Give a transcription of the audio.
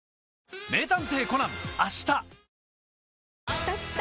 きたきた！